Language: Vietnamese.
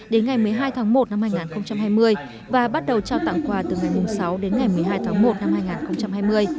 đến ngày một mươi hai tháng một năm hai nghìn hai mươi và bắt đầu trao tặng quà từ ngày sáu đến ngày một mươi hai tháng một năm hai nghìn hai mươi